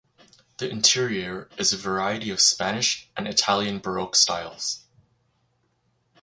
The interior is a variety of Spanish and Italian Baroque styles.